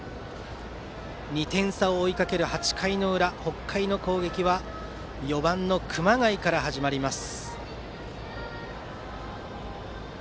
２点差を追いかける８回裏北海の攻撃は４番の熊谷から始まります。